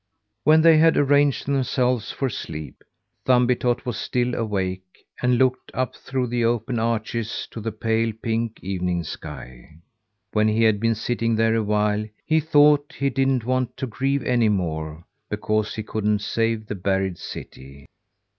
When they had arranged themselves for sleep, Thumbietot was still awake and looked up through the open arches, to the pale pink evening sky. When he had been sitting there a while, he thought he didn't want to grieve any more because he couldn't save the buried city.